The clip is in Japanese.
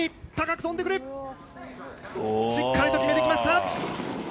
しっかりと決めてきました！